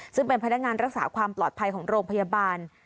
ซึ่งเป็นพนักงานรักษาความปลอดภัยของโรงพยาบาล